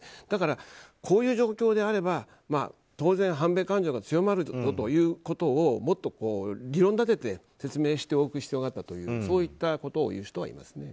だからこういう状況であれば当然、反米感情が強まるということをもっと理論立てて説明しておく必要があったとそういったことを言う人はいます。